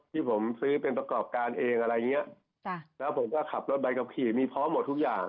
ที่ผมซื้อเป็นประกอบการเองอะไรอย่างเงี้ยแล้วผมก็ขับรถใบขับขี่มีพร้อมหมดทุกอย่าง